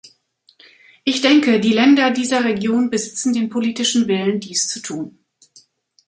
Ich denke, die Länder dieser Region besitzen den politischen Willen, dies zu tun.